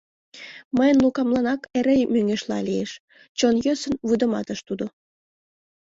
— Мыйын Лукамланак эре мӧҥгешла лиеш, — чон йӧсын вудыматыш тудо.